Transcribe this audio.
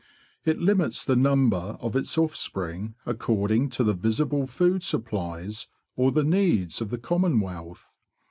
It limits the number of its offspring according to the visible food supplies or the needs of the commonwealth.